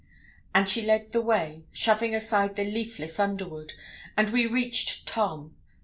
And she led the way, shoving aside the leafless underwood, and we reached Tom.